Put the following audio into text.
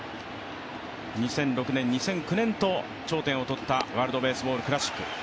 ２００６年、２００９年と頂点を取ったワールドベースボールクラシック。